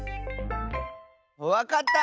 わかった！